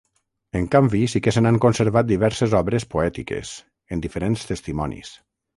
En canvi sí que se n'han conservat diverses obres poètiques, en diferents testimonis.